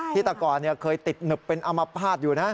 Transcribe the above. ที่ต่อก่อนเคยติดเหนือเป็นอำภาษณ์อยู่นะ